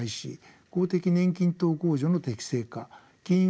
公的年金等控除の適正化金融